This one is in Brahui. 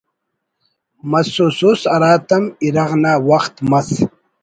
مسوسس ہراتم اِرغ نا وخت مس